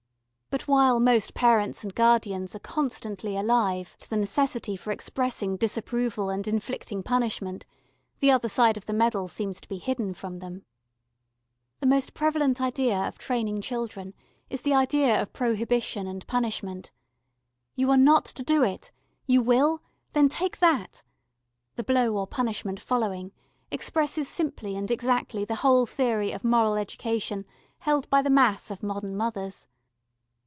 But while most parents and guardians are constantly alive to the necessity for expressing disapproval and inflicting punishment, the other side of the medal seems to be hidden from them. The most prevalent idea of training children is the idea of prohibition and punishment. "You are not to do it! You will? Then take that!" the blow or punishment following, expresses simply and exactly the whole theory of moral education held by the mass of modern mothers.